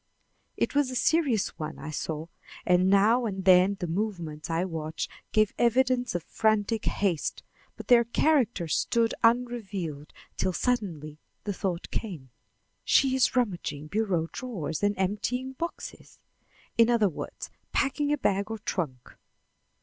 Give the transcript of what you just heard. It was a serious one, I saw, and now and then the movements I watched gave evidence of frantic haste, but their character stood unrevealed till suddenly the thought came: "She is rummaging bureau drawers and emptying boxes, in other words, packing a bag or trunk."